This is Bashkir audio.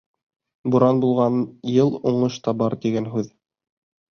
Буран булған йыл уңыш та бар, тигән һүҙ.